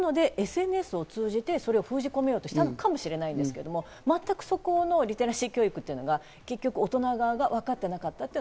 なのでＳＮＳを通じてそれを封じ込めようとしたのかもしれないですけど、全くそこのリテラシー教育というのが大人側がわかっていなかった。